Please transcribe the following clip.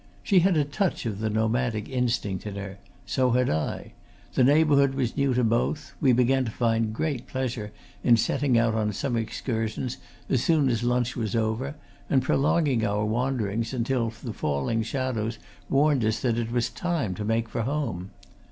She had a touch of the nomadic instinct in her; so had I; the neighbourhood was new to both; we began to find great pleasure in setting out on some excursion as soon as lunch was over and prolonging our wanderings until the falling shadows warned us that it was time to make for home.